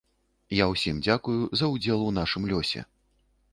Я ўсім дзякую за ўдзел у нашым лёсе.